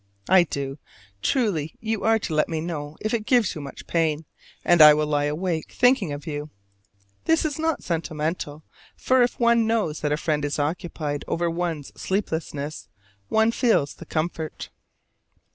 I do. Truly, you are to let me know if it gives you much pain, and I will lie awake thinking of you. This is not sentimental, for if one knows that a friend is occupied over one's sleeplessness one feels the comfort.